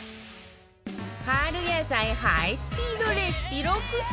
春野菜ハイスピードレシピ６選